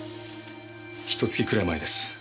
ひと月くらい前です。